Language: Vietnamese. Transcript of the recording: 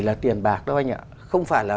là tiền bạc đâu anh ạ không phải là